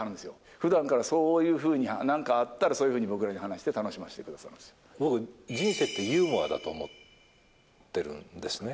ふだんからそういうふうになんかあったらそういうふうに僕らに話僕、人生ってユーモアだと思ってるんですね。